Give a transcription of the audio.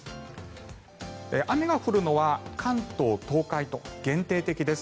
雨が降るのは関東、東海と限定的です。